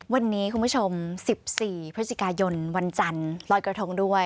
วันนี้คุณผู้ชม๑๔พฤศจิกายนวันจันทร์ลอยกระทงด้วย